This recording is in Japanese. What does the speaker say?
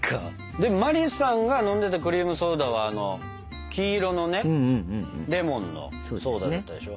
でも茉莉さんが飲んでたクリームソーダはあの黄色のねレモンのソーダだったでしょ。